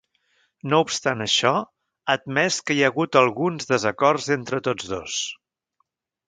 No obstant això, ha admès que hi ha hagut “alguns desacords” entre tots dos.